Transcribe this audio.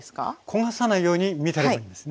焦がさないように見てればいいんですね。